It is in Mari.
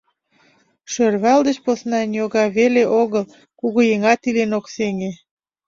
Шӧрвал деч посна ньога веле огыл, кугыеҥат илен ок сеҥе.